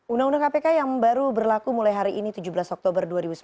undang undang kpk yang baru berlaku mulai hari ini tujuh belas oktober dua ribu sembilan belas